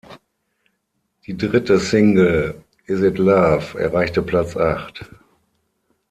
Die dritte Single "Is It Love" erreichte Platz acht.